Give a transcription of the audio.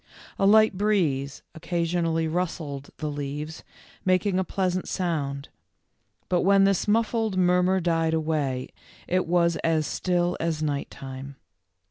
A light breeze occasionally rustled the leaves, making a pleas ant sound. But when this muffled murmur died away, it was as still as night time.